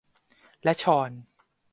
และฌอน